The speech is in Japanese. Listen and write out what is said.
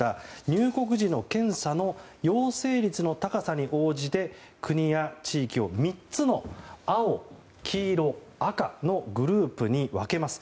入国時の検査の陽性率の高さに応じて国や地域を３つの青、黄色赤のグループに分けます。